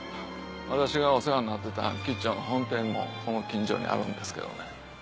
私がお世話になってた吉兆の本店もこの近所にあるんですけどね。